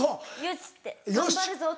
よし！って頑張るぞ！